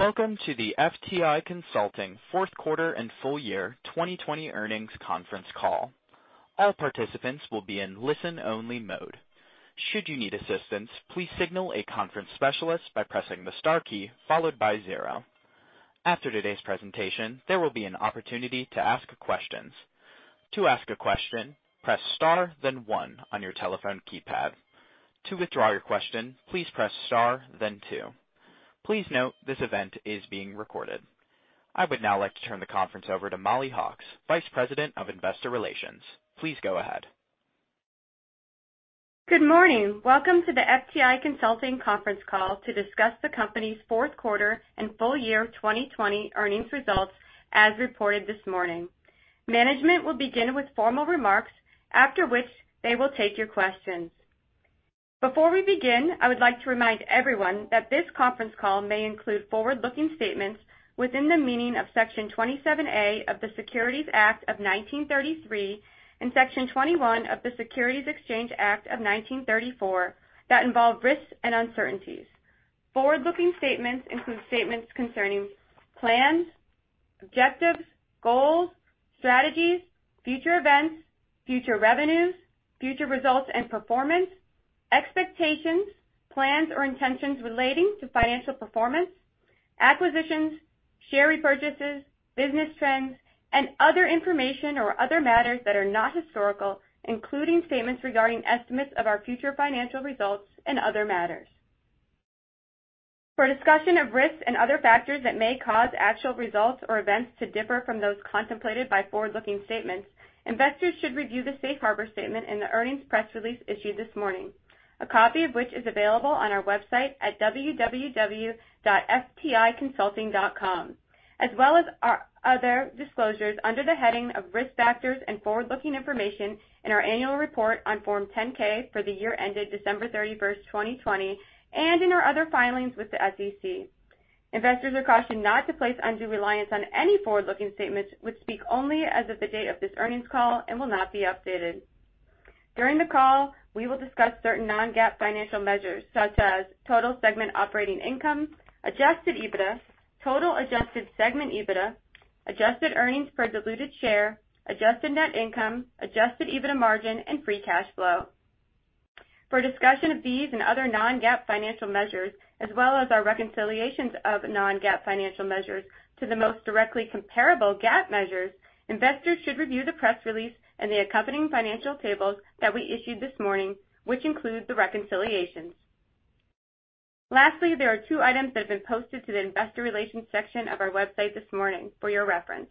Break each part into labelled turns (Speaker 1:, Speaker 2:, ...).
Speaker 1: Welcome to the FTI Consulting Q4 and full year 2020 earnings conference call. I would now like to turn the conference over to Mollie Hawkes, Vice President of Investor Relations. Please go ahead.
Speaker 2: Good morning. Welcome to the FTI Consulting conference call to discuss the company's Q4 and full year 2020 earnings results, as reported this morning. Management will begin with formal remarks, after which they will take your questions. Before we begin, I would like to remind everyone that this conference call may include forward-looking statements within the meaning of Section 27A of the Securities Act of 1933 and Section 21E of the Securities Exchange Act of 1934 that involve risks and uncertainties. Forward-looking statements include statements concerning plans, objectives, goals, strategies, future events, future revenues, future results and performance, expectations, plans or intentions relating to financial performance, acquisitions, share repurchases, business trends, and other information or other matters that are not historical, including statements regarding estimates of our future financial results and other matters. For a discussion of risks and other factors that may cause actual results or events to differ from those contemplated by forward-looking statements, investors should review the safe harbor statement in the earnings press release issued this morning, a copy of which is available on our website at www.fticonsulting.com, As well as our other disclosures under the heading of Risk Factors and Forward-Looking Information in our annual report on Form 10-K for the year ended December 31st, 2020, and in our other filings with the SEC. Investors are cautioned not to place undue reliance on any forward-looking statements, which speak only as of the date of this earnings call and will not be updated. During the call, we will discuss certain non-GAAP financial measures such as total segment operating income, adjusted EBITDA, total Adjusted Segment EBITDA, adjusted earnings per diluted share, adjusted net income, adjusted EBITDA margin, and free cash flow. For a discussion of these and other non-GAAP financial measures, as well as our reconciliations of non-GAAP financial measures to the most directly comparable GAAP measures, investors should review the press release and the accompanying financial tables that we issued this morning, which include the reconciliations. Lastly, there are two items that have been posted to the investor relations section of our website this morning for your reference.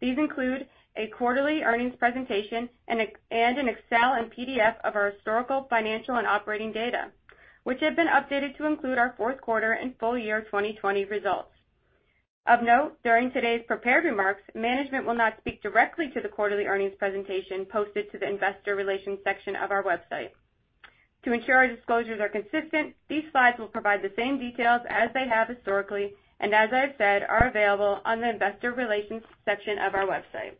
Speaker 2: These include a quarterly earnings presentation and an Excel and PDF of our historical financial and operating data, which have been updated to include our Q4 and full year 2020 results. Of note, during today's prepared remarks, management will not speak directly to the quarterly earnings presentation posted to the investor relations section of our website. To ensure our disclosures are consistent, these slides will provide the same details as they have historically, and as I've said, are available on the investor relations section of our website.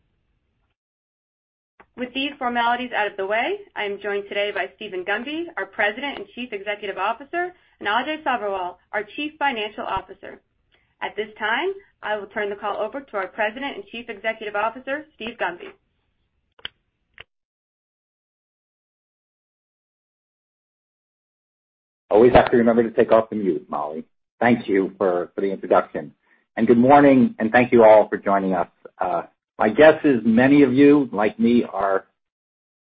Speaker 2: With these formalities out of the way, I am joined today by Steven Gunby, our President and Chief Executive Officer, and Ajay Sabherwal, our Chief Financial Officer. At this time, I will turn the call over to our President and Chief Executive Officer, Steven Gunby.
Speaker 3: Always have to remember to take off the mute, Mollie. Thank you for the introduction, and good morning, and thank you all for joining us. My guess is many of you, like me, are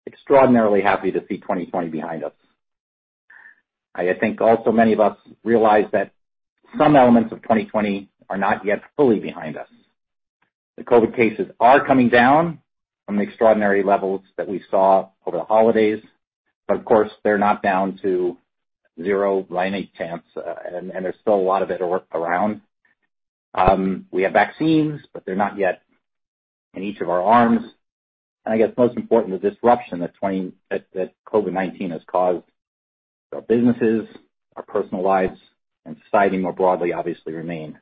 Speaker 3: extraordinarily happy to see 2020 behind us. I think also many of us realize that some elements of 2020 are not yet fully behind us. The COVID cases are coming down from the extraordinary levels that we saw over the holidays, but of course, they're not down to zero by any chance, and there's still a lot of it around. We have vaccines, but they're not yet in each of our arms. I guess most important, the disruption that COVID-19 has caused our businesses, our personal lives, and society more broadly, obviously remain.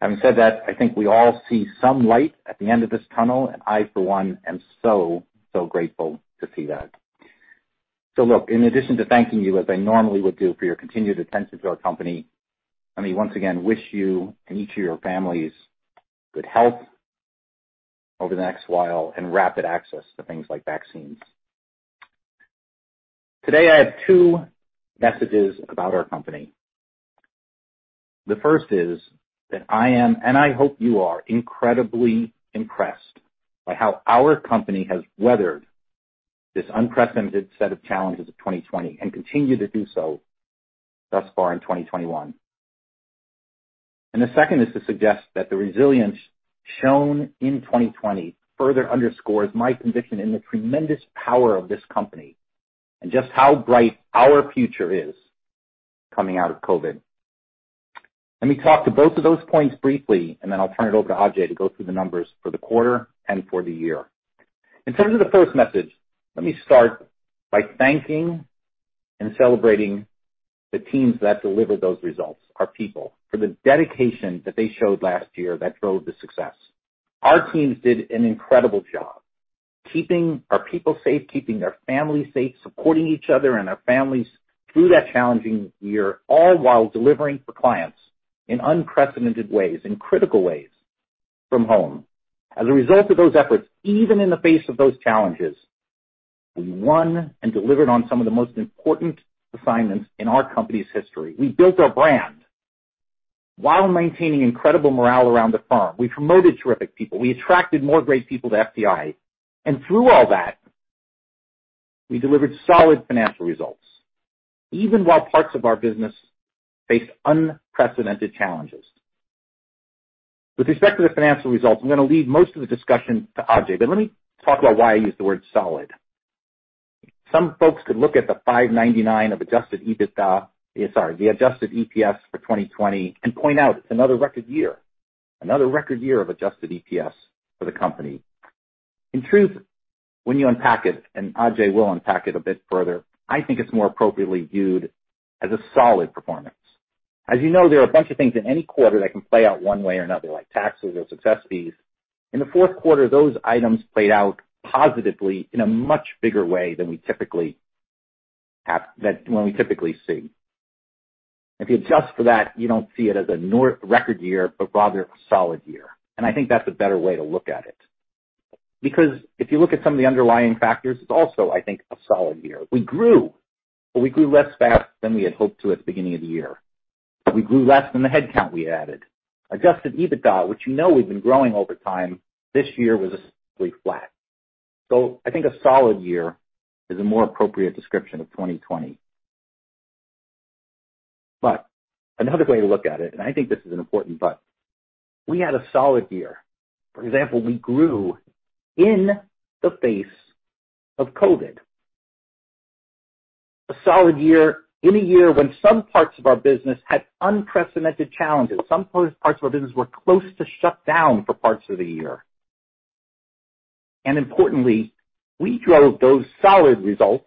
Speaker 3: Having said that, I think we all see some light at the end of this tunnel, and I, for one, am so grateful to see that. Look, in addition to thanking you as I normally would do for your continued attention to our company, let me once again wish you and each of your families good health over the next while and rapid access to things like vaccines. Today, I have two messages about our company. The first is that I am, and I hope you are, incredibly impressed by how our company has weathered this unprecedented set of challenges of 2020 and continue to do so thus far in 2021. The second is to suggest that the resilience shown in 2020 further underscores my conviction in the tremendous power of this company and just how bright our future is coming out of COVID. Let me talk to both of those points briefly, and then I'll turn it over to Ajay to go through the numbers for the quarter and for the year. In terms of the first message, let me start by thanking and celebrating the teams that delivered those results, our people, for the dedication that they showed last year that drove the success. Our teams did an incredible job keeping our people safe, keeping their families safe, supporting each other and our families through that challenging year, all while delivering for clients in unprecedented ways, in critical ways from home. As a result of those efforts, even in the face of those challenges, we won and delivered on some of the most important assignments in our company's history. We built our brand while maintaining incredible morale around the firm. We promoted terrific people. We attracted more great people to FTI, and through all that, we delivered solid financial results, even while parts of our business faced unprecedented challenges. With respect to the financial results, I'm going to leave most of the discussion to Ajay, but let me talk about why I use the word solid. Some folks could look at the $599 of Adjusted EBITDA, sorry, the Adjusted EPS for 2020 and point out it's another record year of Adjusted EPS for the company. In truth, when you unpack it, and Ajay will unpack it a bit further, I think it's more appropriately viewed as a solid performance. As you know, there are a bunch of things in any quarter that can play out one way or another, like taxes or success fees. In the Q4, those items played out positively in a much bigger way than when we typically see. If you adjust for that, you don't see it as a record year, but rather a solid year. I think that's a better way to look at it. If you look at some of the underlying factors, it's also, I think, a solid year. We grew, but we grew less fast than we had hoped to at the beginning of the year. We grew less than the headcount we added. Adjusted EBITDA, which you know we've been growing over time, this year was essentially flat. I think a solid year is a more appropriate description of 2020. Another way to look at it, and I think this is an important but, we had a solid year. For example, we grew in the face of COVID-19. A solid year in a year when some parts of our business had unprecedented challenges. Some parts of our business were close to shut down for parts of the year. Importantly, we drove those solid results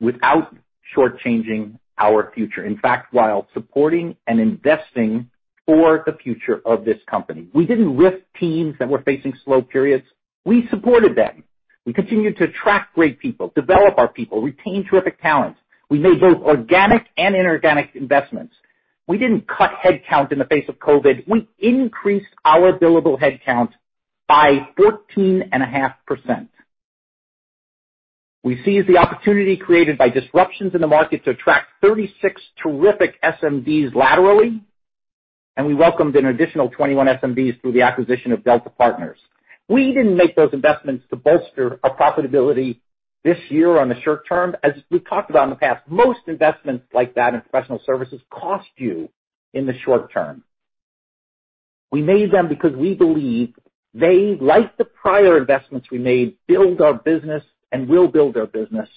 Speaker 3: without short-changing our future. In fact, while supporting and investing for the future of this company, we didn't RIF teams that were facing slow periods. We supported them. We continued to attract great people, develop our people, retain terrific talent. We made both organic and inorganic investments. We didn't cut headcount in the face of COVID. We increased our billable headcount by 14.5%. We seized the opportunity created by disruptions in the market to attract 36 terrific SMDs laterally, and we welcomed an additional 21 SMDs through the acquisition of Delta Partners. We didn't make those investments to bolster our profitability this year on the short term. As we've talked about in the past, most investments like that in professional services cost you in the short term. We made them because we believe they, like the prior investments we made, build our business and will build our business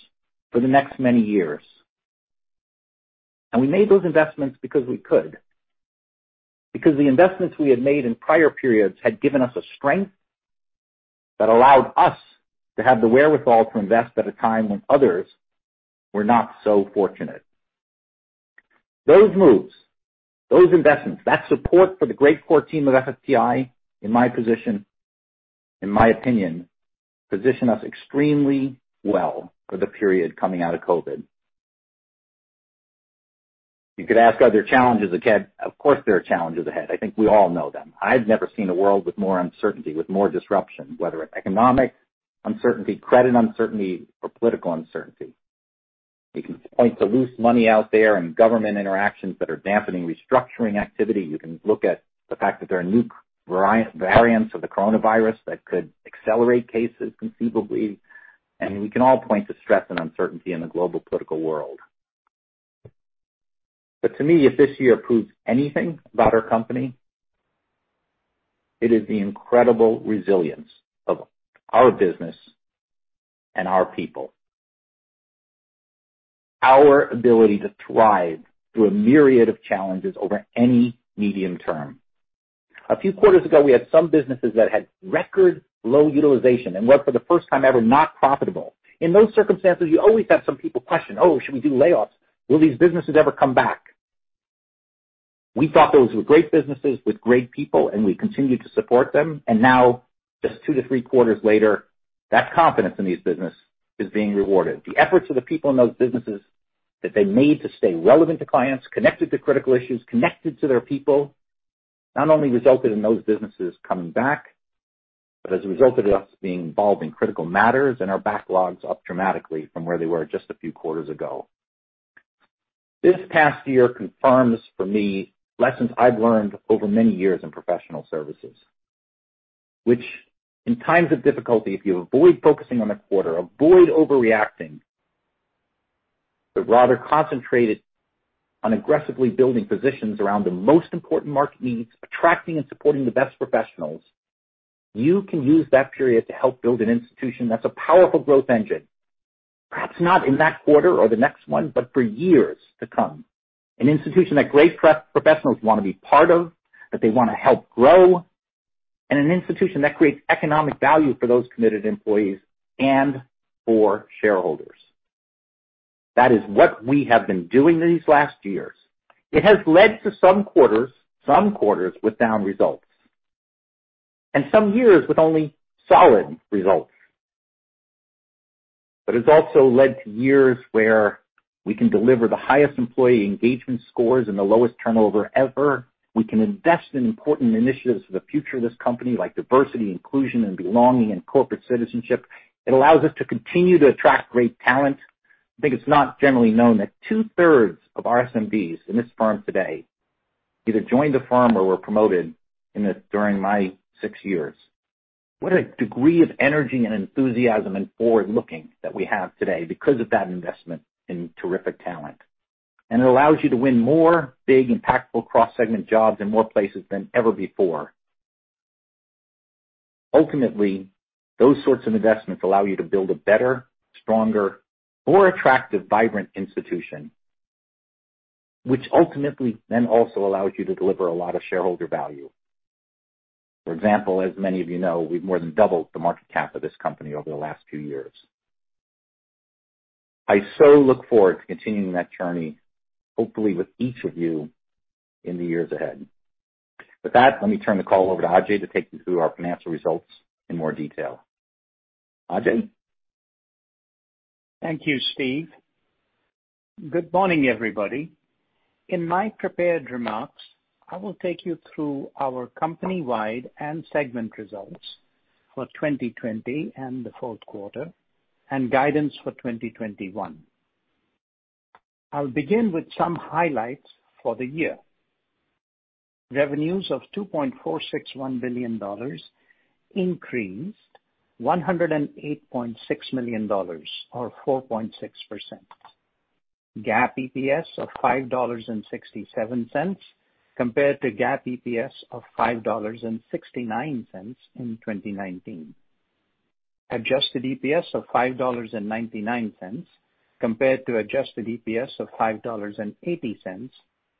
Speaker 3: for the next many years. We made those investments because we could. The investments we had made in prior periods had given us a strength that allowed us to have the wherewithal to invest at a time when others were not so fortunate. Those moves, those investments, that support for the great core team of FTI, in my position, in my opinion, position us extremely well for the period coming out of COVID. You could ask, are there challenges ahead? Of course, there are challenges ahead. I think we all know them. I've never seen a world with more uncertainty, with more disruption, whether economic uncertainty, credit uncertainty, or political uncertainty. You can point to loose money out there and government interactions that are dampening restructuring activity. You can look at the fact that there are new variants of the coronavirus that could accelerate cases conceivably, and we can all point to stress and uncertainty in the global political world. To me, if this year proves anything about our company, it is the incredible resilience of our business and our people. Our ability to thrive through a myriad of challenges over any medium term. A few quarters ago, we had some businesses that had record low utilization and were, for the first time ever, not profitable. In those circumstances, you always have some people question, "Oh, should we do layoffs? Will these businesses ever come back? We thought those were great businesses with great people, and we continued to support them. Now, just two to three quarters later, that confidence in this business is being rewarded. The efforts of the people in those businesses that they made to stay relevant to clients, connected to critical issues, connected to their people, not only resulted in those businesses coming back, but has resulted in us being involved in critical matters and our backlogs up dramatically from where they were just a few quarters ago. This past year confirms for me lessons I've learned over many years in professional services. Which in times of difficulty, if you avoid focusing on the quarter, avoid overreacting, but rather concentrated on aggressively building positions around the most important market needs, attracting and supporting the best professionals, you can use that period to help build an institution that's a powerful growth engine. Perhaps not in that quarter or the next one, but for years to come. An institution that great professionals want to be part of, that they want to help grow, and an institution that creates economic value for those committed employees and for shareholders. That is what we have been doing these last years. It has led to some quarters with down results and some years with only solid results. It's also led to years where we can deliver the highest employee engagement scores and the lowest turnover ever. We can invest in important initiatives for the future of this company, like diversity, inclusion, and belonging, and corporate citizenship. It allows us to continue to attract great talent. I think it's not generally known that two-thirds of our SMDs in this firm today either joined the firm or were promoted during my six years. What a degree of energy and enthusiasm and forward-looking that we have today because of that investment in terrific talent. It allows you to win more big, impactful cross-segment jobs in more places than ever before. Ultimately, those sorts of investments allow you to build a better, stronger, more attractive, vibrant institution, which ultimately then also allows you to deliver a lot of shareholder value. For example, as many of you know, we've more than doubled the market cap of this company over the last few years. I so look forward to continuing that journey, hopefully with each of you in the years ahead. With that, let me turn the call over to Ajay to take you through our financial results in more detail. Ajay?
Speaker 4: Thank you, Steven. Good morning, everybody. In my prepared remarks, I will take you through our company-wide and segment results for 2020 and the Q4 and guidance for 2021. I'll begin with some highlights for the year. Revenues of $2.461 billion increased $108.6 million or 4.6%. GAAP EPS of $5.67 compared to GAAP EPS of $5.69 in 2019. Adjusted EPS of $5.99 compared to adjusted EPS of $5.80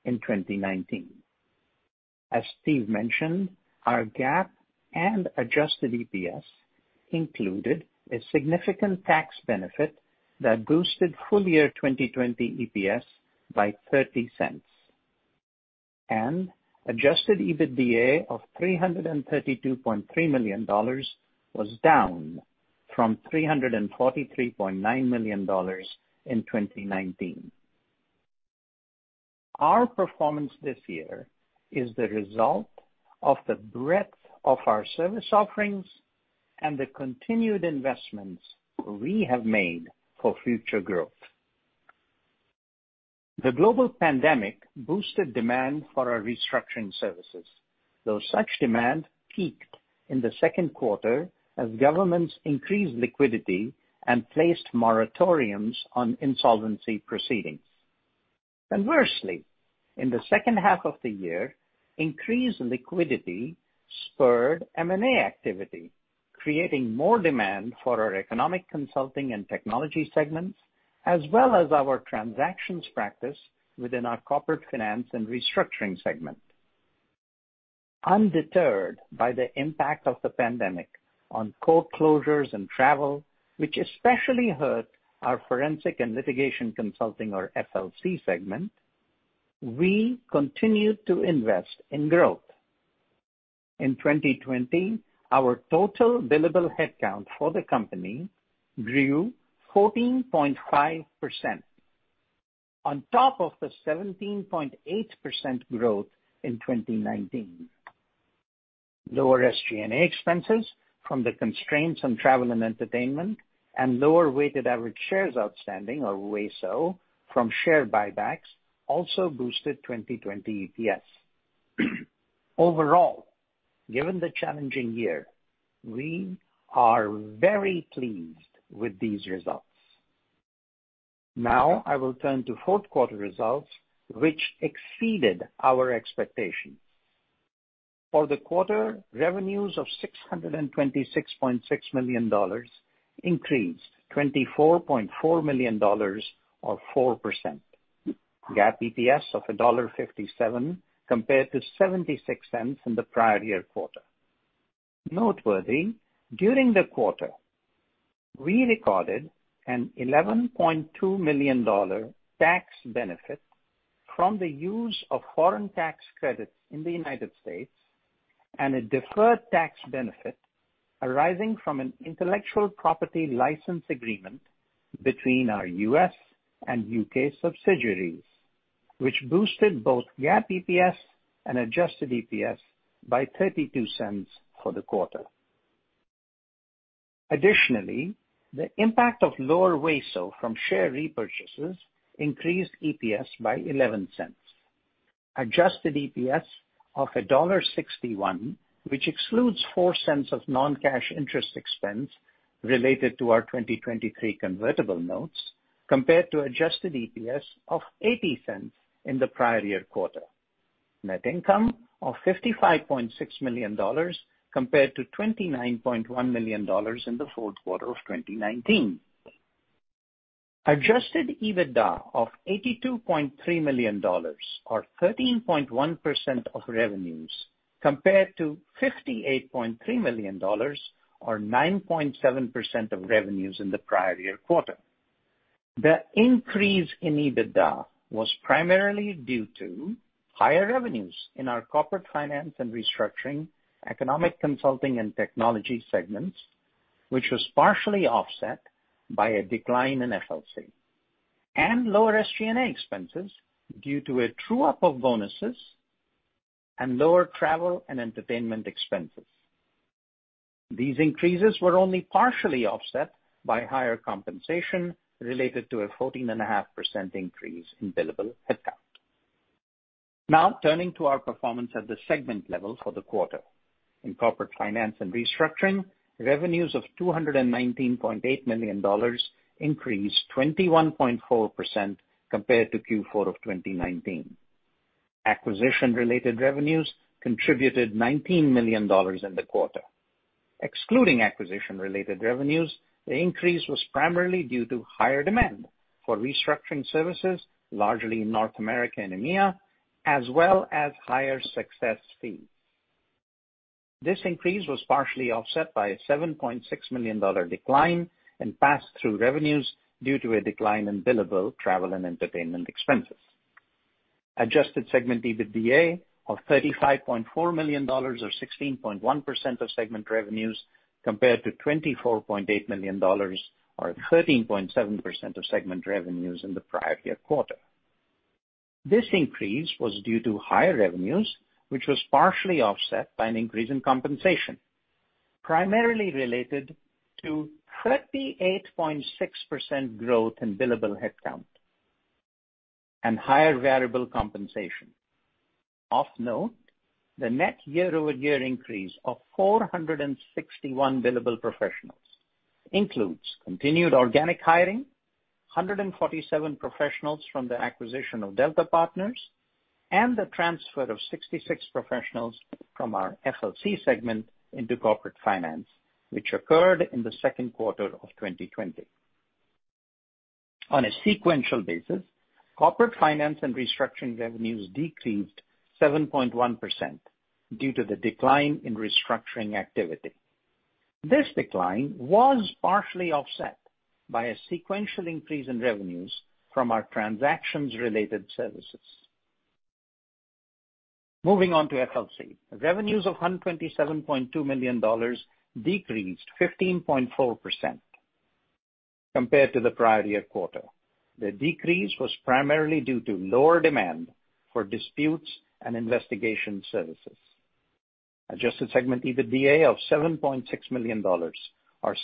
Speaker 4: in 2019. As Steven mentioned, our GAAP and adjusted EPS included a significant tax benefit that boosted full year 2020 EPS by $0.30. Adjusted EBITDA of $332.3 million was down from $343.9 million in 2019. Our performance this year is the result of the breadth of our service offerings and the continued investments we have made for future growth. The global pandemic boosted demand for our restructuring services, though such demand peaked in the Q2 as governments increased liquidity and placed moratoriums on insolvency proceedings. Conversely, in the second half of the year, increased liquidity spurred M&A activity, creating more demand for our economic consulting and technology segments, as well as our transactions practice within our Corporate Finance and Restructuring segment. Undeterred by the impact of the pandemic on core closures and travel, which especially hurt our Forensic and Litigation Consulting or FLC segment, we continued to invest in growth. In 2020, our total billable headcount for the company grew 14.5% on top of the 17.8% growth in 2019. Lower SG&A expenses from the constraints on travel and entertainment and lower weighted average shares outstanding or WASO from share buybacks also boosted 2020 EPS. Overall, given the challenging year, we are very pleased with these results. I will turn to Q4 results, which exceeded our expectations. For the quarter, revenues of $626.6 million increased $24.4 million or 4%. GAAP EPS of $1.57 compared to $0.76 in the prior year quarter. Noteworthy, during the quarter, we recorded an $11.2 million tax benefit from the use of foreign tax credits in the U.S. and a deferred tax benefit arising from an intellectual property license agreement between our U.S. and U.K. subsidiaries, which boosted both GAAP EPS and adjusted EPS by $0.32 for the quarter. Additionally, the impact of lower WASO from share repurchases increased EPS by $0.11. Adjusted EPS of $1.61, which excludes $0.04 of non-cash interest expense related to our 2023 convertible notes, compared to adjusted EPS of $0.80 in the prior year quarter. Net income of $55.6 million compared to $29.1 million in the Q4 of 2019. Adjusted EBITDA of $82.3 million or 13.1% of revenues compared to $58.3 million, or 9.7% of revenues in the prior year quarter. The increase in EBITDA was primarily due to higher revenues in our Corporate Finance & Restructuring, Economic Consulting and Technology segments, which was partially offset by a decline in FLC. Lower SG&A expenses due to a true-up of bonuses and lower travel and entertainment expenses. These increases were only partially offset by higher compensation related to a 14.5% increase in billable headcount. Turning to our performance at the segment level for the quarter. In Corporate Finance & Restructuring, revenues of $219.8 million increased 21.4% compared to Q4 of 2019. Acquisition-related revenues contributed $19 million in the quarter. Excluding acquisition-related revenues, the increase was primarily due to higher demand for restructuring services, largely in North America and EMEA, as well as higher success fees. This increase was partially offset by a $7.6 million decline in pass-through revenues due to a decline in billable travel and entertainment expenses. Adjusted Segment EBITDA of $35.4 million or 16.1% of segment revenues, compared to $24.8 million or 13.7% of segment revenues in the prior year quarter. This increase was due to higher revenues, which was partially offset by an increase in compensation, primarily related to 38.6% growth in billable headcount and higher variable compensation. Of note, the net year-over-year increase of 461 billable professionals includes continued organic hiring, 147 professionals from the acquisition of Delta Partners, and the transfer of 66 professionals from our FLC segment into corporate finance, Which occurred in the Q2 of 2020. On a sequential basis, corporate finance and restructuring revenues decreased 7.1% due to the decline in restructuring activity. This decline was partially offset by a sequential increase in revenues from our transactions-related services. Moving on to FLC. Revenues of $127.2 million decreased 15.4% compared to the prior year quarter. The decrease was primarily due to lower demand for disputes and investigation services. Adjusted Segment EBITDA of $7.6 million, or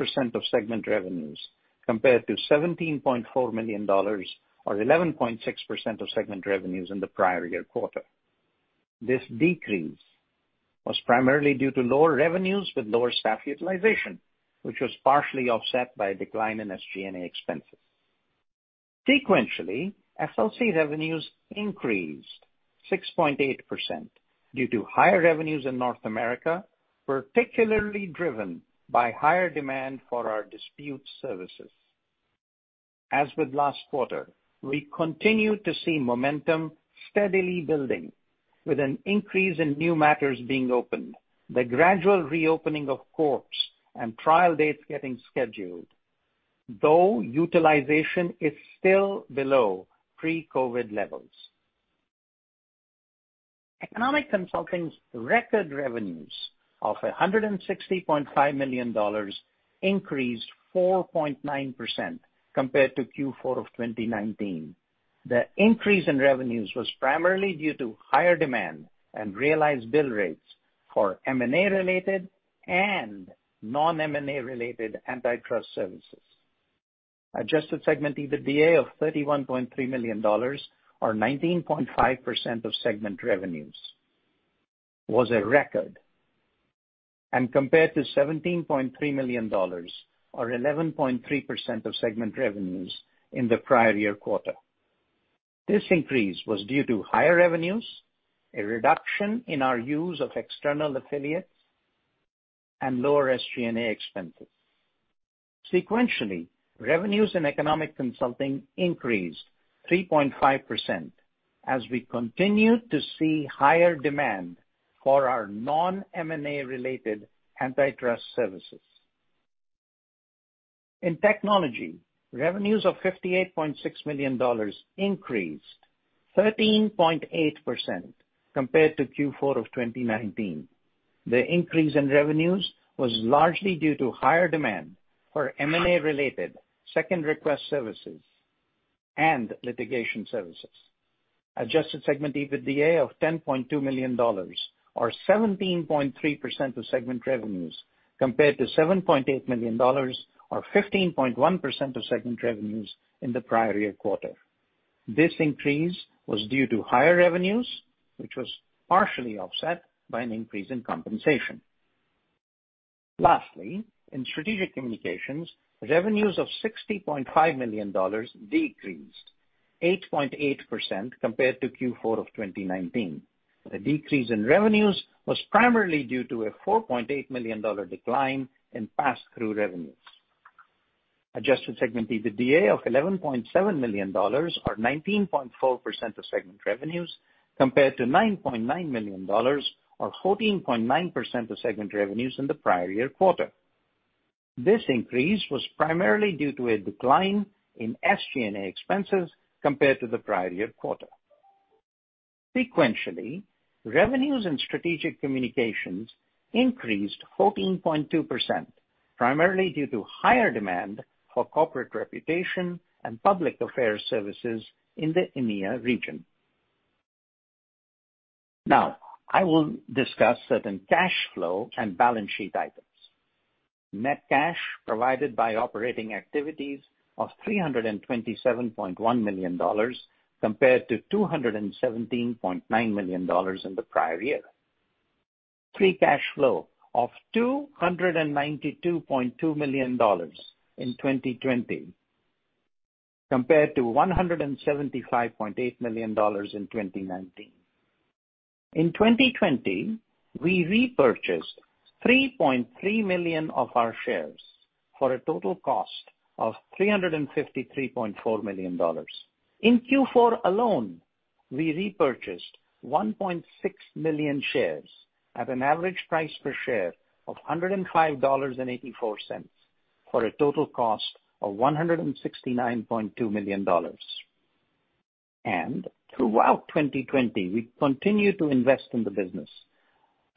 Speaker 4: 6% of segment revenues, compared to $17.4 million or 11.6% of segment revenues in the prior year quarter. This decrease was primarily due to lower revenues with lower staff utilization, which was partially offset by a decline in SG&A expenses. Sequentially, FLC revenues increased 6.8% due to higher revenues in North America, particularly driven by higher demand for our dispute services. As with last quarter, we continue to see momentum steadily building with an increase in new matters being opened, the gradual reopening of courts and trial dates getting scheduled, though utilization is still below pre-COVID levels. Economic Consulting's record revenues of $160.5 million increased 4.9% compared to Q4 of 2019. The increase in revenues was primarily due to higher demand and realized bill rates for M&A-related and non-M&A-related antitrust services. Adjusted Segment EBITDA of $31.3 million or 19.5% of segment revenues was a record and compared to $17.3 million or 11.3% of segment revenues in the prior year quarter. This increase was due to higher revenues, a reduction in our use of external affiliates, and lower SG&A expenses. Sequentially, revenues in Economic Consulting increased 3.5% as we continued to see higher demand for our non-M&A-related antitrust services. In Technology, revenues of $58.6 million increased 13.8% compared to Q4 of 2019. The increase in revenues was largely due to higher demand for M&A-related second request services and litigation services. Adjusted Segment EBITDA of $10.2 million or 17.3% of segment revenues compared to $7.8 million or 15.1% of segment revenues in the prior year quarter. This increase was due to higher revenues, which was partially offset by an increase in compensation. Lastly, in Strategic Communications, revenues of $60.5 million decreased 8.8% compared to Q4 of 2019. The decrease in revenues was primarily due to a $4.8 million decline in pass-through revenues. Adjusted Segment EBITDA of $11.7 million or 19.4% of segment revenues, compared to $9.9 million or 14.9% of segment revenues in the prior year quarter. This increase was primarily due to a decline in SG&A expenses compared to the prior year quarter. Sequentially, revenues and Strategic Communications increased 14.2%, primarily due to higher demand for corporate reputation and public affairs services in the EMEA region. I will discuss certain cash flow and balance sheet items. Net cash provided by operating activities of $327.1 million compared to $217.9 million in the prior year. Free cash flow of $292.2 million in 2020 compared to $175.8 million in 2019. In 2020, we repurchased 3.3 million of our shares for a total cost of $353.4 million. In Q4 alone, we repurchased 1.6 million shares at an average price per share of $105.84 for a total cost of $169.2 million. Throughout 2020, we continued to invest in the business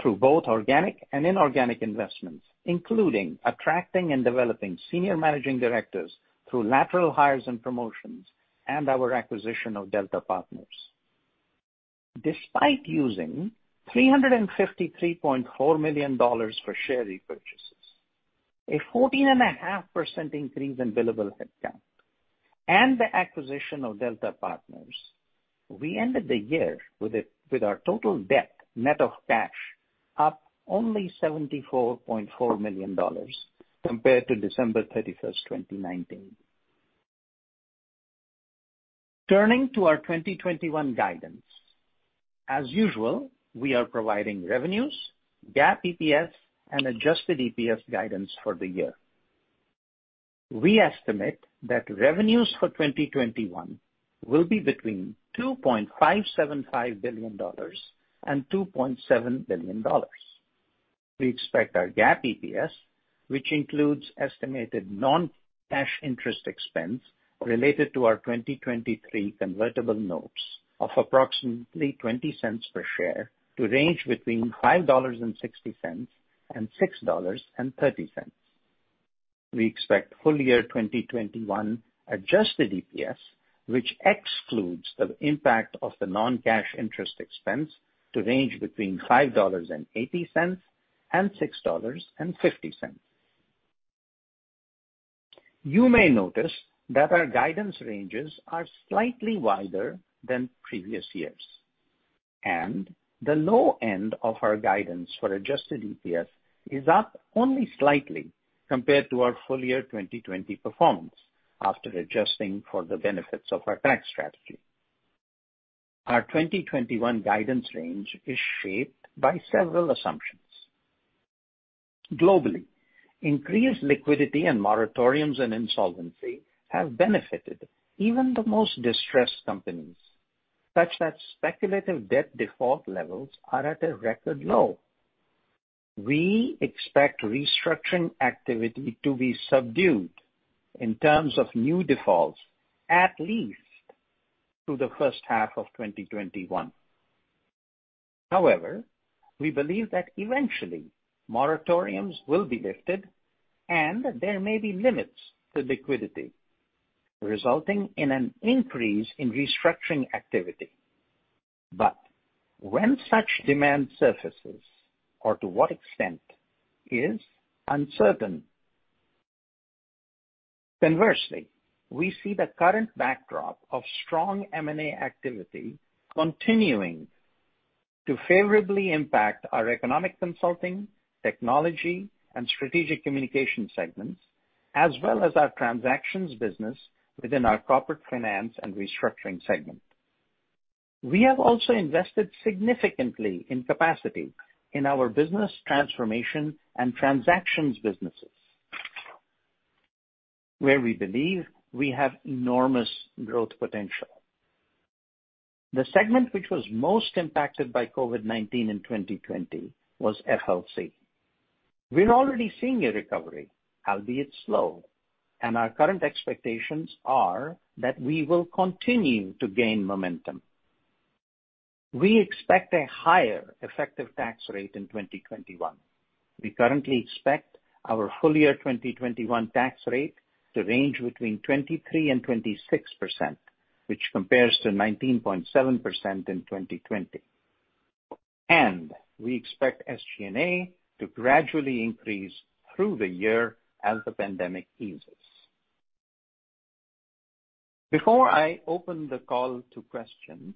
Speaker 4: through both organic and inorganic investments, including attracting and developing senior managing directors through lateral hires and promotions and our acquisition of Delta Partners. Despite using $353.4 million for share repurchases, a 14.5% increase in billable headcount, and the acquisition of Delta Partners, we ended the year with our total debt net of cash up only $74.4 million compared to December 31st, 2019. Turning to our 2021 guidance. As usual, we are providing revenues, GAAP EPS, and adjusted EPS guidance for the year. We estimate that revenues for 2021 will be between $2.575 billion and $2.7 billion. We expect our GAAP EPS, which includes estimated non-cash interest expense related to our 2023 convertible notes of approximately $0.20 per share to range between $5.60 and $6.30. We expect full year 2021 adjusted EPS, which excludes the impact of the non-cash interest expense to range between $5.80 and $6.50. You may notice that our guidance ranges are slightly wider than previous years, and the low end of our guidance for adjusted EPS is up only slightly compared to our full year 2020 performance after adjusting for the benefits of our tax strategy. Our 2021 guidance range is shaped by several assumptions. Globally, increased liquidity and moratoriums in insolvency have benefited even the most distressed companies, such that speculative debt default levels are at a record low. We expect restructuring activity to be subdued in terms of new defaults at least through the first half of 2021. We believe that eventually moratoriums will be lifted and there may be limits to liquidity, resulting in an increase in restructuring activity. When such demand surfaces or to what extent is uncertain. We see the current backdrop of strong M&A activity continuing to favorably impact our economic consulting, technology, and strategic communication segments, as well as our transactions business within our corporate finance and restructuring segment. We have also invested significantly in capacity in our business transformation and transactions businesses, where we believe we have enormous growth potential. The segment which was most impacted by COVID-19 in 2020 was FLC. We're already seeing a recovery, albeit slow, our current expectations are that we will continue to gain momentum. We expect a higher effective tax rate in 2021. We currently expect our full year 2021 tax rate to range between 23% and 26%, which compares to 19.7% in 2020. We expect SG&A to gradually increase through the year as the pandemic eases. Before I open the call to questions,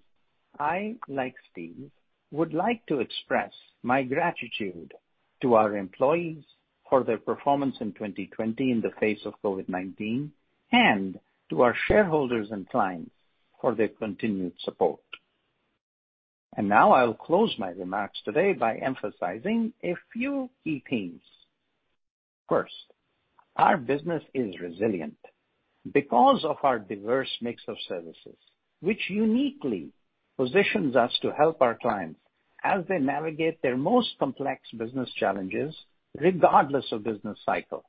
Speaker 4: I, like Steven, would like to express my gratitude to our employees for their performance in 2020 in the face of COVID-19 and to our shareholders and clients for their continued support. Now I'll close my remarks today by emphasizing a few key themes. First, our business is resilient because of our diverse mix of services, which uniquely positions us to help our clients as they navigate their most complex business challenges, regardless of business cycle.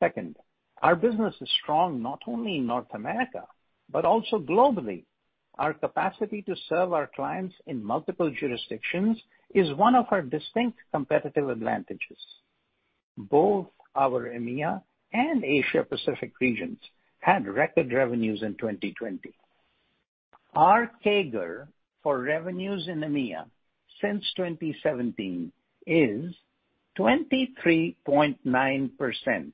Speaker 4: Second, our business is strong not only in North America, but also globally. Our capacity to serve our clients in multiple jurisdictions is one of our distinct competitive advantages. Both our EMEA and Asia Pacific regions had record revenues in 2020. Our CAGR for revenues in EMEA since 2017 is 23.9%.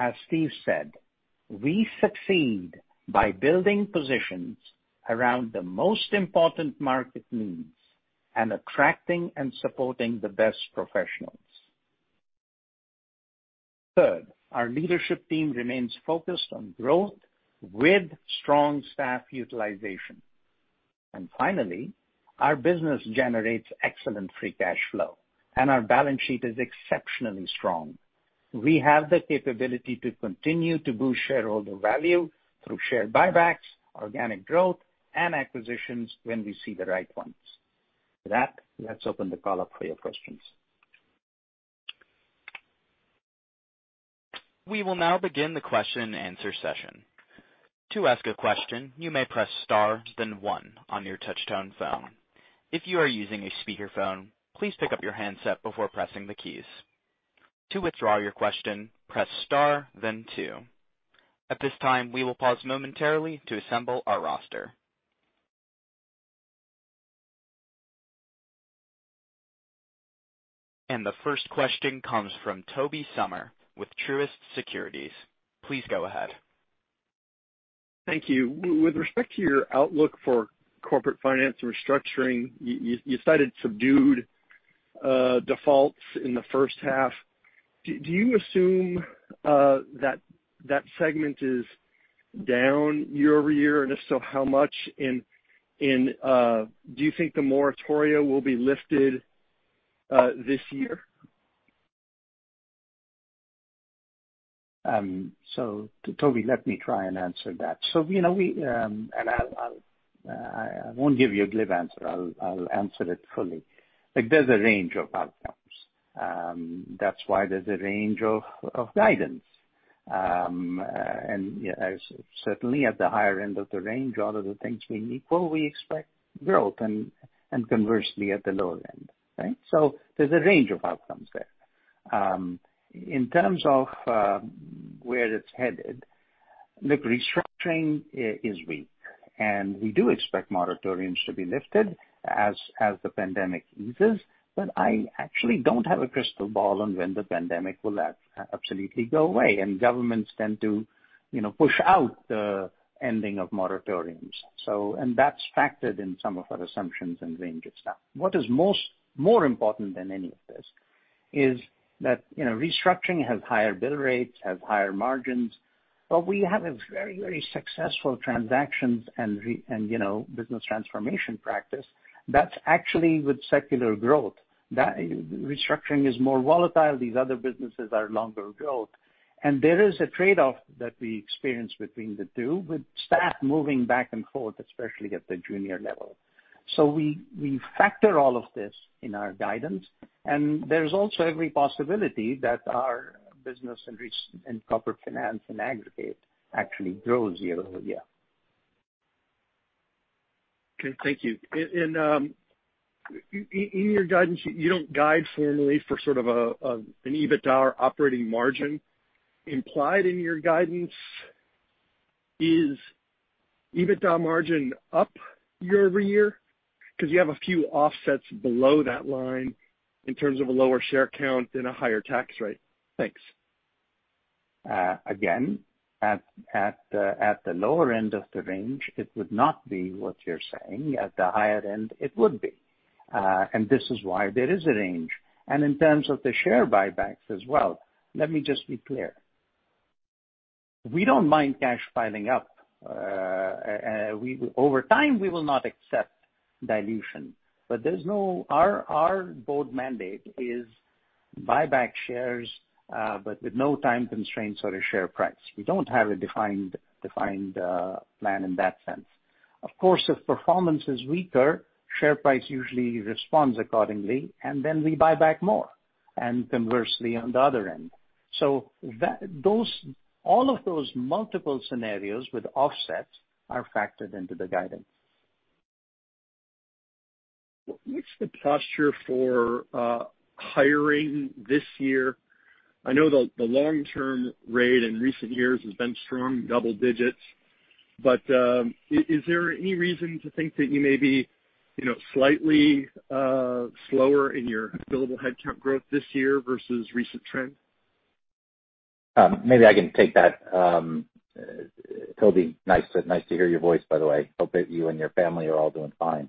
Speaker 4: As Steven said, we succeed by building positions around the most important market needs and attracting and supporting the best professionals. Third, our leadership team remains focused on growth with strong staff utilization. Finally, our business generates excellent free cash flow, and our balance sheet is exceptionally strong. We have the capability to continue to boost shareholder value through share buybacks, organic growth, and acquisitions when we see the right ones. With that, let's open the call up for your questions.
Speaker 1: We will now begin the question and answer session. At this time, we will pause momentarily to assemble our roster. The first question comes from Tobey Sommer with Truist Securities. Please go ahead.
Speaker 5: Thank you. With respect to your outlook for Corporate Finance and Restructuring, you cited subdued defaults in the first half. Do you assume that segment is down year-over-year? If so, how much? Do you think the moratoria will be lifted this year?
Speaker 4: Tobey, let me try and answer that. I won't give you a glib answer. I'll answer it fully. There's a range of outcomes. That's why there's a range of guidance. Certainly at the higher end of the range, all other things being equal, we expect growth, and conversely at the lower end, right. There's a range of outcomes there. In terms of where it's headed, look, restructuring is weak, and we do expect moratoriums to be lifted as the pandemic eases. I actually don't have a crystal ball on when the pandemic will absolutely go away. Governments tend to push out the ending of moratoriums. That's factored in some of our assumptions and range of stuff. What is more important than any of this is that restructuring has higher bill rates, has higher margins, but we have a very successful transactions and business transformation practice that's actually with secular growth. Restructuring is more volatile. These other businesses are longer growth. There is a trade-off that we experience between the two with staff moving back and forth, especially at the junior level. We factor all of this in our guidance, and there's also every possibility that our business in corporate finance in aggregate actually grows year-over-year.
Speaker 5: Okay. Thank you. In your guidance, you don't guide formally for sort of an EBITDA or operating margin. Implied in your guidance is EBITDA margin up year-over-year? You have a few offsets below that line in terms of a lower share count and a higher tax rate. Thanks.
Speaker 4: Again, at the lower end of the range, it would not be what you're saying. At the higher end, it would be. This is why there is a range. In terms of the share buybacks as well, let me just be clear. We don't mind cash piling up. Over time, we will not accept dilution. Our board mandate is buy back shares, but with no time constraints or a share price. We don't have a defined plan in that sense. Of course, if performance is weaker, share price usually responds accordingly, and then we buy back more, and conversely on the other end. All of those multiple scenarios with offsets are factored into the guidance.
Speaker 5: What's the posture for hiring this year? I know the long-term rate in recent years has been strong, double digits, but is there any reason to think that you may be slightly slower in your billable headcount growth this year versus recent trends?
Speaker 3: Maybe I can take that. Tobey, nice to hear your voice, by the way. Hope that you and your family are all doing fine.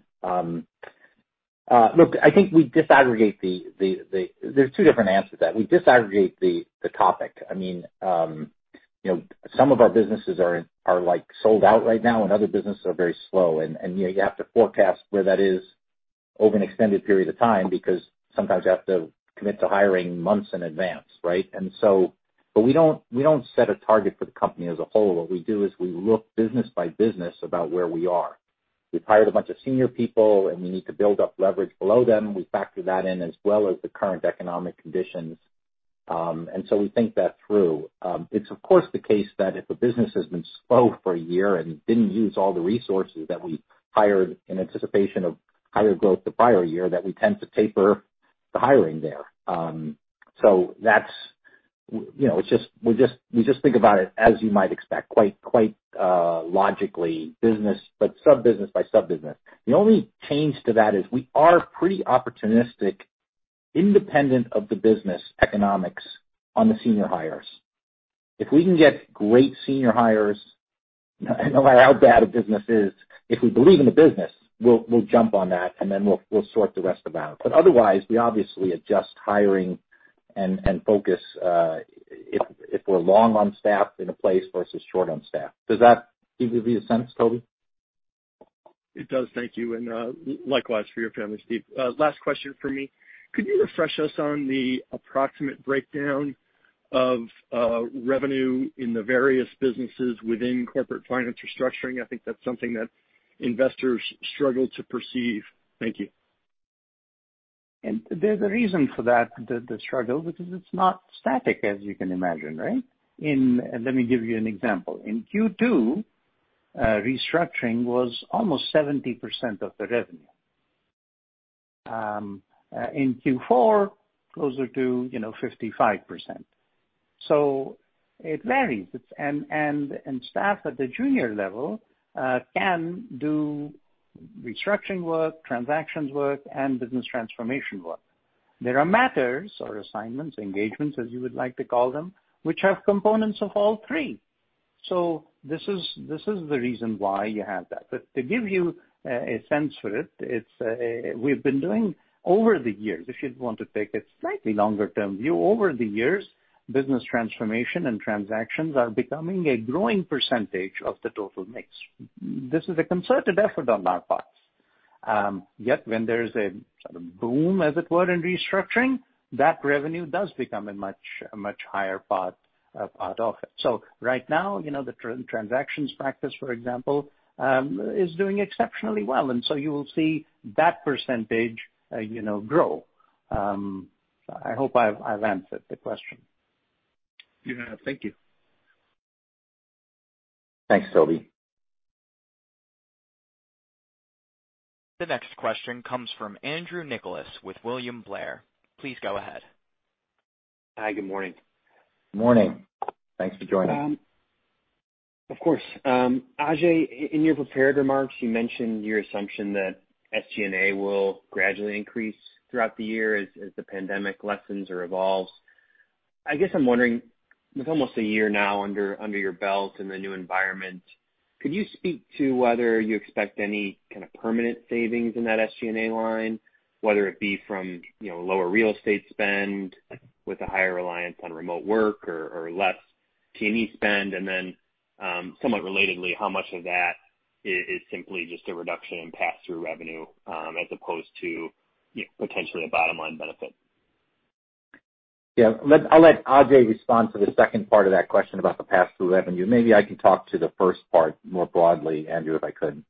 Speaker 3: Look, I think we disaggregate. There's two different answers to that. We disaggregate the topic. Some of our businesses are sold out right now, and other businesses are very slow. You have to forecast where that is over an extended period of time, because sometimes you have to commit to hiring months in advance, right? We don't set a target for the company as a whole. What we do is we look business by business about where we are. We've hired a bunch of senior people, and we need to build up leverage below them. We factor that in as well as the current economic conditions. We think that through. It's, of course, the case that if a business has been slow for a year and didn't use all the resources that we hired in anticipation of higher growth the prior year, that we tend to taper the hiring there. We just think about it, as you might expect, quite logically, sub-business by sub-business. The only change to that is we are pretty opportunistic, independent of the business economics on the senior hires. If we can get great senior hires, no matter how bad a business is, if we believe in the business, we'll jump on that, and then we'll sort the rest around. But otherwise, we obviously adjust hiring and focus if we're long on staff in a place versus short on staff. Does that give you a sense, Tobey?
Speaker 5: It does. Thank you, and likewise for your family, Steven. Last question from me. Could you refresh us on the approximate breakdown of revenue in the various businesses within Corporate Finance & Restructuring? I think that's something that investors struggle to perceive. Thank you.
Speaker 4: There's a reason for that, the struggle, because it's not static, as you can imagine, right? Let me give you an example. In Q2, restructuring was almost 70% of the revenue. In Q4, closer to 55%. It varies. Staff at the junior level can do restructuring work, transactions work, and business transformation work. There are matters or assignments, engagements, as you would like to call them, which have components of all three. This is the reason why you have that. To give you a sense for it, we've been doing over the years, if you'd want to take a slightly longer-term view, over the years, business transformation and transactions are becoming a growing percentage of the total mix. This is a concerted effort on our parts. When there's a boom, as it were, in restructuring, that revenue does become a much higher part of it. Right now, the transactions practice, for example, is doing exceptionally well, you will see that percentage grow. I hope I've answered the question.
Speaker 5: You have. Thank you.
Speaker 3: Thanks, Tobey.
Speaker 1: The next question comes from Andrew Nicholas with William Blair. Please go ahead.
Speaker 6: Hi, good morning.
Speaker 3: Morning. Thanks for joining.
Speaker 6: Of course. Ajay, in your prepared remarks, you mentioned your assumption that SG&A will gradually increase throughout the year as the pandemic lessens or evolves. I guess I'm wondering, with almost a year now under your belt in the new environment, could you speak to whether you expect any kind of permanent savings in that SG&A line, Whether it be from lower real estate spend with a higher reliance on remote work or less T&E spend? Somewhat relatedly, how much of that is simply just a reduction in pass-through revenue as opposed to potentially a bottom-line benefit?
Speaker 3: Yeah. I'll let Ajay respond to the second part of that question about the pass-through revenue. Maybe I can talk to the first part more broadly, Andrew, if I could.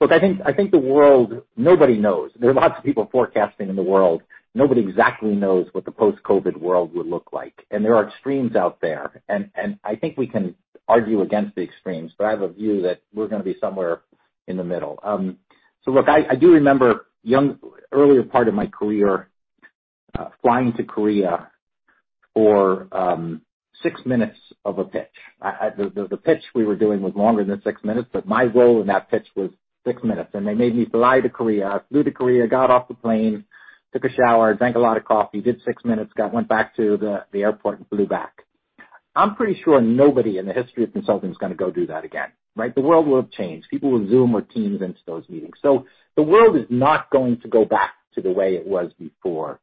Speaker 3: Look, nobody knows. There are lots of people forecasting in the world. Nobody exactly knows what the post-COVID world would look like. There are extremes out there, and I think we can argue against the extremes, but I have a view that we're going to be somewhere in the middle. Look, I do remember earlier part of my career, flying to Korea for six minutes of a pitch. The pitch we were doing was longer than six minutes, but my role in that pitch was six minutes. They made me fly to Korea. I flew to Korea, got off the plane, took a shower, drank a lot of coffee, did six minutes, went back to the airport, and flew back. I'm pretty sure nobody in the history of consulting is going to go do that again, right? The world will have changed. People will Zoom or Teams into those meetings. The world is not going to go back to the way it was before.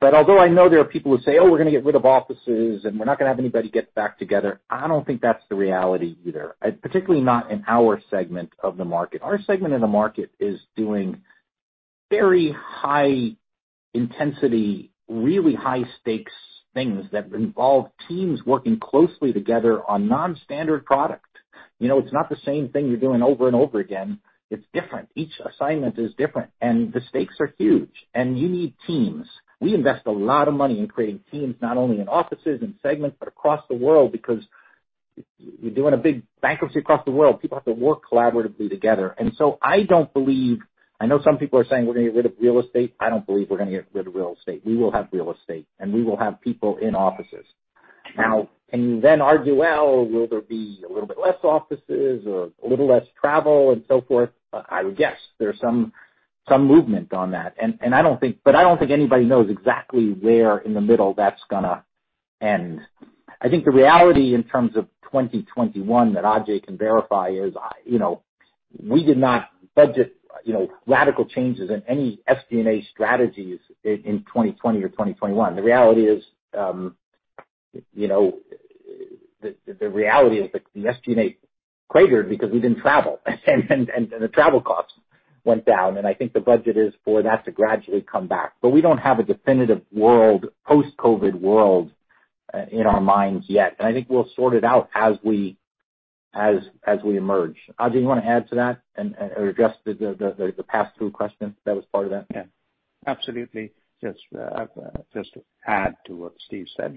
Speaker 3: Although I know there are people who say, "Oh, we're going to get rid of offices, and we're not going to have anybody get back together," I don't think that's the reality either, particularly not in our segment of the market. Our segment in the market is doing very high-intensity, really high-stakes things that involve teams working closely together on non-standard product. It's not the same thing you're doing over and over again. It's different. Each assignment is different, and the stakes are huge, and you need teams. We invest a lot of money in creating teams, not only in offices, in segments, but across the world, because you're doing a big bankruptcy across the world. People have to work collaboratively together. I know some people are saying we're going to get rid of real estate. I don't believe we're going to get rid of real estate. We will have real estate, and we will have people in offices. Can you then argue, well, will there be a little bit less offices or a little less travel and so forth? I would guess. There's some movement on that. I don't think anybody knows exactly where in the middle. I think the reality in terms of 2021 that Ajay can verify is we did not budget radical changes in any SG&A strategies in 2020 or 2021. The reality is the SG&A cratered because we didn't travel and the travel costs went down, and I think the budget is for that to gradually come back. We don't have a definitive post-COVID-19 world in our minds yet. I think we'll sort it out as we emerge. Ajay, you want to add to that or address the pass-through question that was part of that?
Speaker 4: Yeah. Absolutely. Just to add to what Steven said.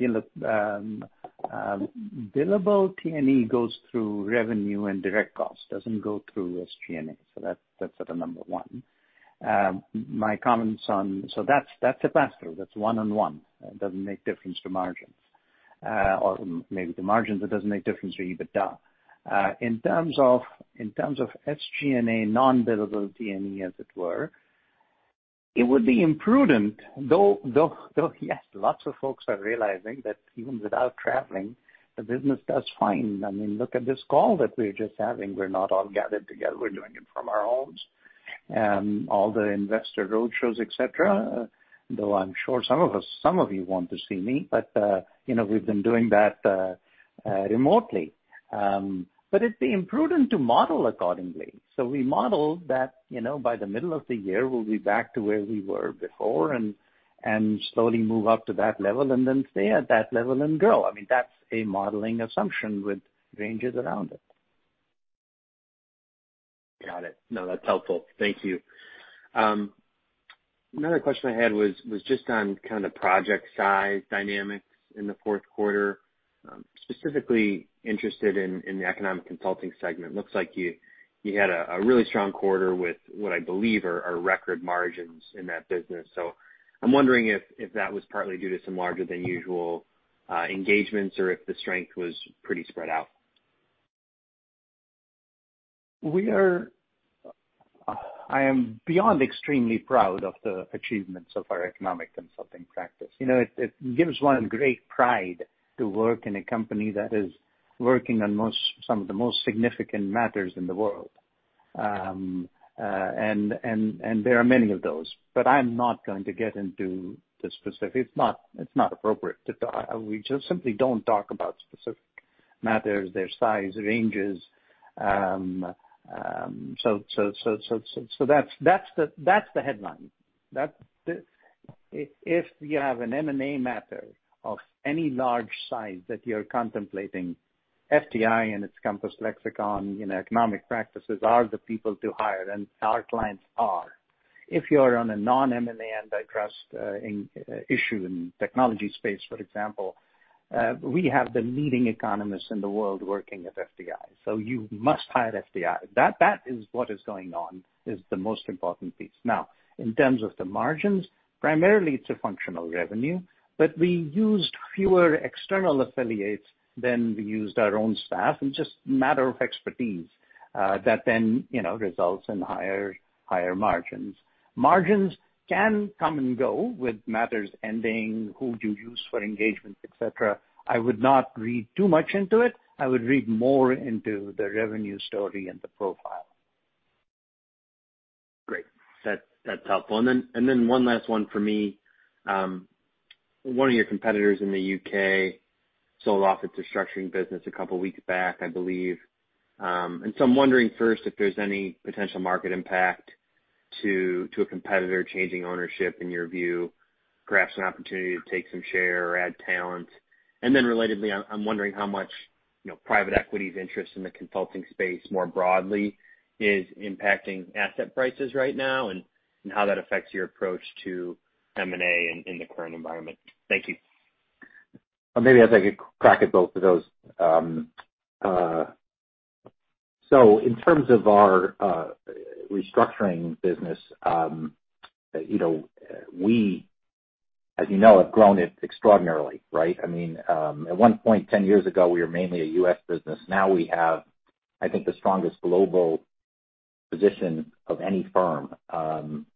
Speaker 4: Billable T&E goes through revenue and direct cost, doesn't go through SG&A. That's the number one. That's a pass-through. That's one-on-one. It doesn't make difference to margins. Maybe to margins, it doesn't make difference for EBITDA. In terms of SG&A non-billable T&E, as it were, it would be imprudent, though, yes, lots of folks are realizing that even without traveling, the business does fine. Look at this call that we're just having. We're not all gathered together. We're doing it from our homes. All the investor roadshows, et cetera. I'm sure some of you want to see me, but we've been doing that remotely. It'd be imprudent to model accordingly. We modeled that by the middle of the year, we'll be back to where we were before and slowly move up to that level, and then stay at that level and grow. That's a modeling assumption with ranges around it.
Speaker 6: Got it. No, that's helpful. Thank you. Another question I had was just on kind of project size dynamics in the Q4. Specifically interested in the economic consulting segment. Looks like you had a really strong quarter with what I believe are record margins in that business. I'm wondering if that was partly due to some larger than usual engagements or if the strength was pretty spread out.
Speaker 3: I am beyond extremely proud of the achievements of our economic consulting practice. It gives one great pride to work in a company that is working on some of the most significant matters in the world. There are many of those, but I'm not going to get into the specifics. It's not appropriate to talk. We just simply don't talk about specific matters, their size, ranges. That's the headline. If you have an M&A matter of any large size that you're contemplating, FTI and its Compass Lexecon in economic practices are the people to hire, and our clients are. If you're on a non-M&A antitrust issue in technology space, for example, we have the leading economists in the world working at FTI. You must hire FTI. That is what is going on, is the most important piece. In terms of the margins, primarily, it's a functional revenue, but we used fewer external affiliates than we used our own staff. It's just a matter of expertise that then results in higher margins. Margins can come and go with matters ending, who do you use for engagements, et cetera. I would not read too much into it. I would read more into the revenue story and the profile.
Speaker 6: Great. That's helpful. One last one for me. One of your competitors in the U.K. sold off its restructuring business a couple of weeks back, I believe. I'm wondering first if there's any potential market impact to a competitor changing ownership in your view, perhaps an opportunity to take some share or add talent. Relatedly, I'm wondering how much private equity's interest in the consulting space more broadly is impacting asset prices right now, and how that affects your approach to M&A in the current environment. Thank you.
Speaker 3: Maybe I'll take a crack at both of those. In terms of our restructuring business, we, as you know, have grown it extraordinarily, right? At one point, 10 years ago, we were mainly a U.S. business. Now we have, I think, the strongest global position of any firm.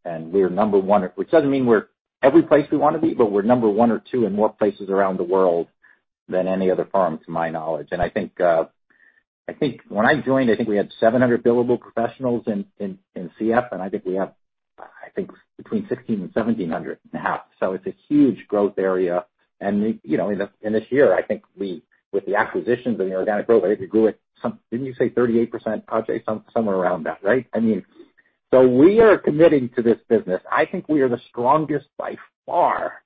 Speaker 3: We're number one, which doesn't mean we're every place we want to be, but we're number one or two in more places around the world than any other firm, to my knowledge. When I joined, I think we had 700 billable professionals in CF, and I think we have between 16 and 1,700 now. It's a huge growth area. In this year, I think with the acquisitions and the organic growth, I think we grew it. Didn't you say 38%, Ajay? Somewhere around that, right? We are committing to this business. I think we are the strongest by far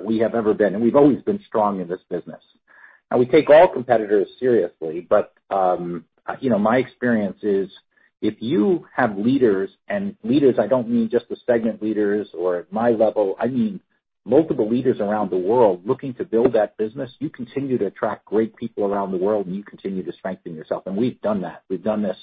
Speaker 3: we have ever been, and we've always been strong in this business. We take all competitors seriously. My experience is if you have leaders, and leaders, I don't mean just the segment leaders or at my level, I mean multiple leaders around the world looking to build that business, you continue to attract great people around the world, and you continue to strengthen yourself. We've done that. We've done this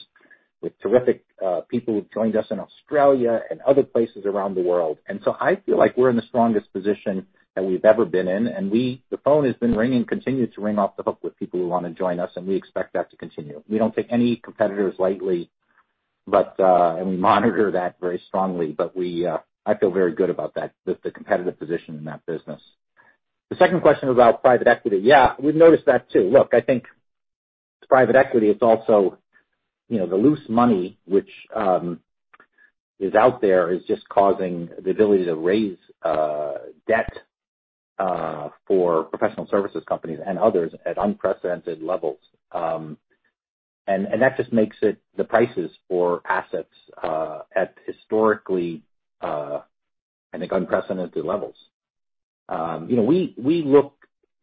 Speaker 3: with terrific people who've joined us in Australia and other places around the world. I feel like we're in the strongest position that we've ever been in, and the phone has been ringing, continues to ring off the hook with people who want to join us, and we expect that to continue. We don't take any competitors lightly. We monitor that very strongly. I feel very good about the competitive position in that business. The second question was about private equity. Yeah, we've noticed that too. Look, I think private equity is also the loose money which is out there, is just causing the ability to raise debt for professional services companies and others at unprecedented levels. That just makes the prices for assets at historically, I think, unprecedented levels. We look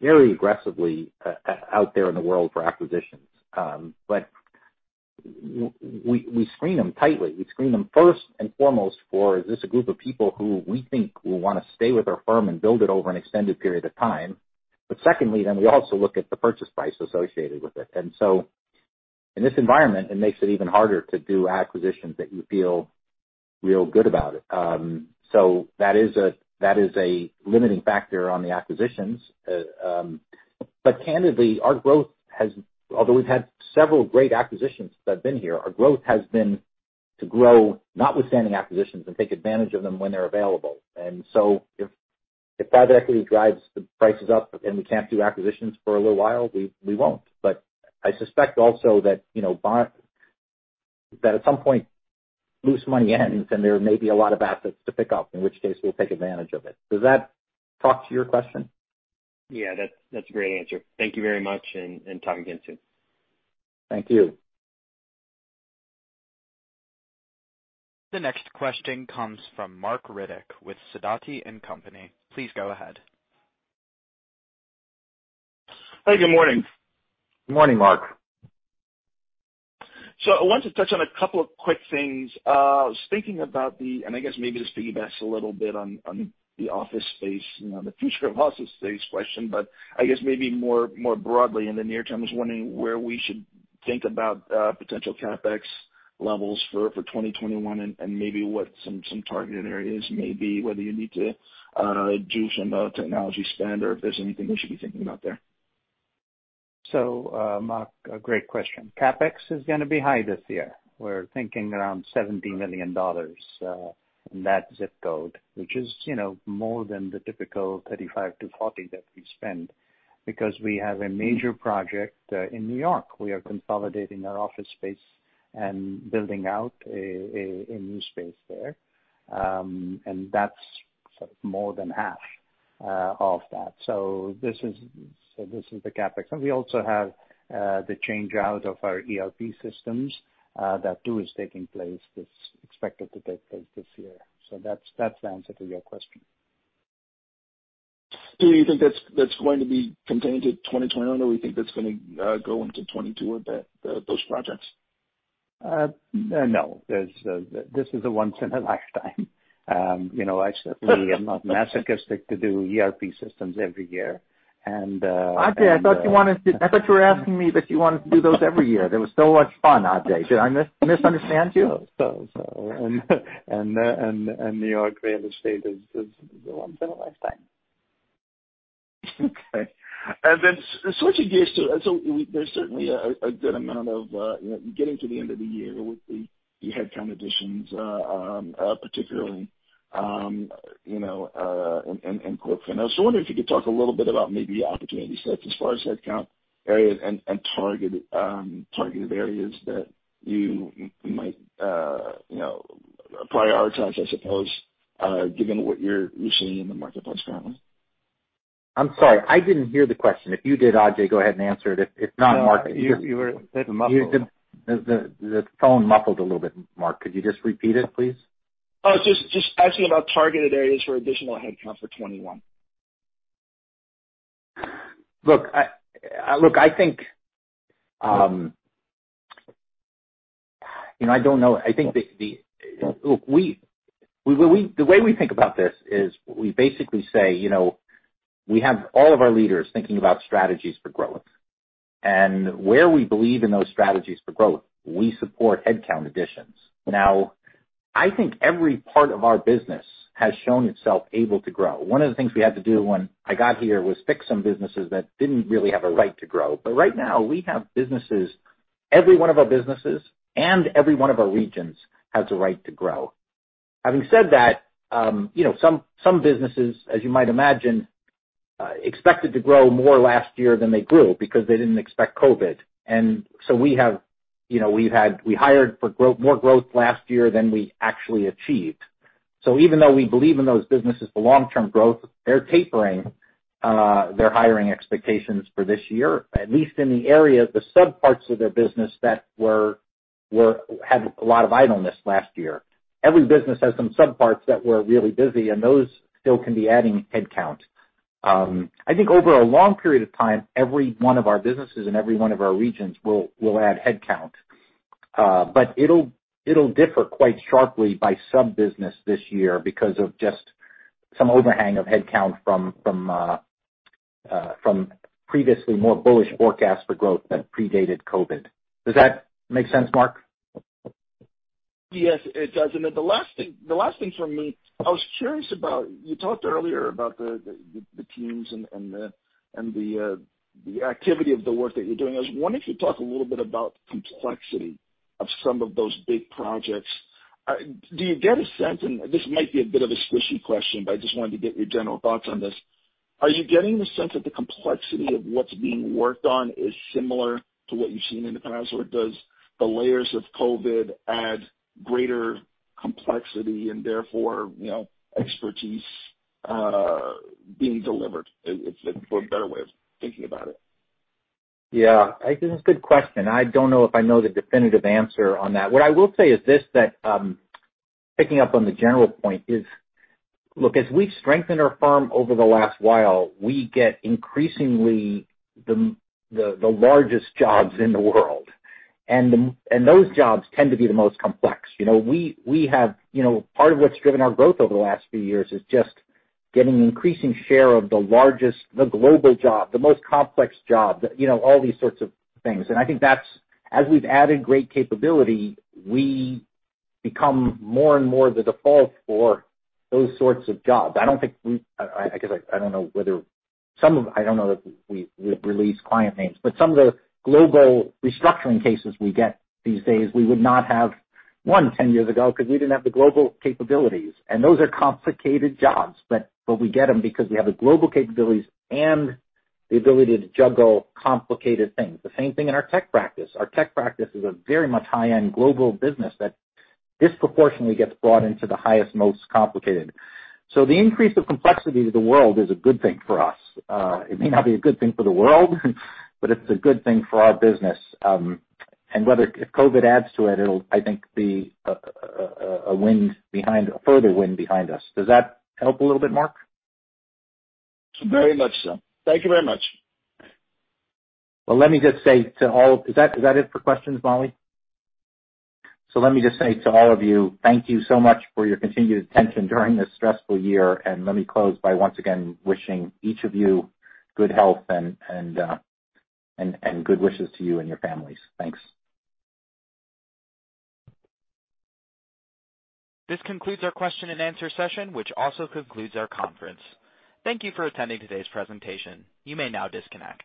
Speaker 3: very aggressively out there in the world for acquisitions. We screen them tightly. We screen them first and foremost for, is this a group of people who we think will want to stay with our firm and build it over an extended period of time? Secondly, then we also look at the purchase price associated with it. In this environment, it makes it even harder to do acquisitions that you feel real good about it. That is a limiting factor on the acquisitions. Candidly, although we've had several great acquisitions since I've been here, our growth has been to grow, notwithstanding acquisitions, and take advantage of them when they're available. If private equity drives the prices up and we can't do acquisitions for a little while, we won't. I suspect also that at some point, loose money ends, and there may be a lot of assets to pick up, in which case we'll take advantage of it. Does that talk to your question?
Speaker 6: Yeah. That's a great answer. Thank you very much, and talk again soon.
Speaker 3: Thank you.
Speaker 1: The next question comes from Marc Riddick with Sidoti & Company. Please go ahead.
Speaker 7: Hey, good morning.
Speaker 3: Good morning, Marc.
Speaker 7: I wanted to touch on a couple of quick things. I was thinking about, and I guess maybe this piggybacks a little bit on the office space, the future of office space question, but I guess maybe more broadly in the near term, just wondering where we should think about potential CapEx levels for 2021 and maybe what some targeted areas may be, whether you need to do some technology spend or if there's anything we should be thinking about there.
Speaker 4: Marc, a great question. CapEx is going to be high this year. We're thinking around $70 million in that ZIP code, which is more than the typical 35-40 that we spend because we have a major project in New York. We are consolidating our office space and building out a new space there. That's more than half of that. This is the CapEx. We also have the change-out of our ERP systems. That too is taking place. It's expected to take place this year. That's the answer to your question.
Speaker 7: Do you think that's going to be contained to 2021, or we think that's going to go into 2022 with those projects?
Speaker 4: No. This is a once in a lifetime. I certainly am not masochistic to do ERP systems every year.
Speaker 3: Ajay, I thought you were asking me that you wanted to do those every year. They were so much fun, Ajay. Did I misunderstand you?
Speaker 4: New York real estate is once in a lifetime.
Speaker 7: Okay. Switching gears. There's certainly. Getting to the end of the year with the headcount additions, particularly in corporate. I was wondering if you could talk a little bit about maybe opportunity sets as far as headcount areas and targeted areas that you might prioritize, I suppose, given what you're seeing in the marketplace currently.
Speaker 3: I'm sorry, I didn't hear the question. If you did, Ajay, go ahead and answer it. If not, Marc.
Speaker 4: No, you were a bit muffled.
Speaker 3: The phone muffled a little bit, Marc. Could you just repeat it, please?
Speaker 7: Oh, just asking about targeted areas for additional headcount for 2021.
Speaker 3: Look, I think I don't know. Look, the way we think about this is we basically say, we have all of our leaders thinking about strategies for growth. Where we believe in those strategies for growth, we support headcount additions. Now, I think every part of our business has shown itself able to grow. One of the things we had to do when I got here was fix some businesses that didn't really have a right to grow. Right now, we have businesses, every one of our businesses and every one of our regions has a right to grow. Having said that, some businesses, as you might imagine, expected to grow more last year than they grew because they didn't expect COVID. We hired for more growth last year than we actually achieved. Even though we believe in those businesses for long-term growth, they're tapering their hiring expectations for this year, at least in the area, the sub-parts of their business that had a lot of idleness last year. Every business has some sub-parts that were really busy, and those still can be adding headcount. I think over a long period of time, every one of our businesses and every one of our regions will add headcount. it'll differ quite sharply by sub-business this year because of just some overhang of headcount from previously more bullish forecasts for growth that predated COVID. Does that make sense, Marc?
Speaker 7: Yes, it does. The last thing from me, I was curious about, you talked earlier about the teams and the activity of the work that you're doing, I was wondering if you'd talk a little bit about the complexity of some of those big projects. Do you get a sense, and this might be a bit of a squishy question, but I just wanted to get your general thoughts on this. Are you getting the sense that the complexity of what's being worked on is similar to what you've seen in the past, or does the layers of COVID add greater complexity and therefore expertise being delivered, for a better way of thinking about it?
Speaker 3: Yeah. I think it's a good question. I don't know if I know the definitive answer on that. What I will say is this, that picking up on the general point is, look, as we've strengthened our firm over the last while, we get increasingly the largest jobs in the world. Those jobs tend to be the most complex. Part of what's driven our growth over the last few years is just getting increasing share of the largest, the global job, the most complex job, all these sorts of things. I think that's, as we've added great capability, we become more and more the default for those sorts of jobs. I don't know if we release client names, but some of the global restructuring cases we get these days, we would not have won 10 years ago because we didn't have the global capabilities. Those are complicated jobs, but we get them because we have the global capabilities and the ability to juggle complicated things. The same thing in our tech practice. Our tech practice is a very much high-end global business that disproportionately gets brought into the highest, most complicated. The increase of complexity to the world is a good thing for us. It may not be a good thing for the world, but it's a good thing for our business. If COVID adds to it'll, I think, be a further wind behind us. Does that help a little bit, Marc?
Speaker 7: Very much so. Thank you very much.
Speaker 3: Well, is that it for questions, Marc? Let me just say to all of you, thank you so much for your continued attention during this stressful year, and let me close by once again wishing each of you good health and good wishes to you and your families. Thanks.
Speaker 1: This concludes our question and answer session, which also concludes our conference. Thank you for attending today's presentation. You may now disconnect.